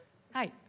はい。